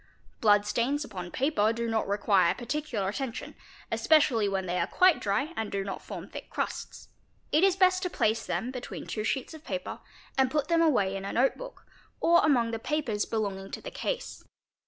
Blood stains upon paper do not require PRESERVATION OF BLOOD MARKS 589 particular attention, especially when they are quite dry and do not form thick crusts; it is best to place them between two sheets of paper and put them away ina note book, or among the papers belonging to the case.